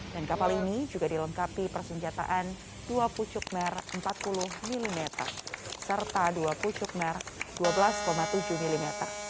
dan kapal ini juga dilengkapi persenjataan dua pucuk mer empat puluh mm serta dua pucuk mer dua belas tujuh mm